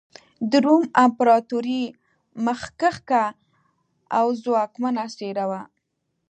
د روم امپراتورۍ مخکښه او ځواکمنه څېره وه.